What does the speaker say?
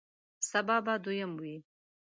سبا به دویم وی